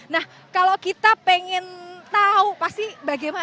nah kalau kita pengen tahu pasti bagaimana